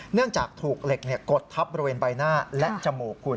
เนื่องจากถูกเหล็กกดทับบริเวณใบหน้าและจมูกคุณ